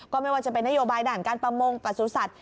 ไม่ว่าจะเป็นนโยบายด่านการประมงประสุทธิ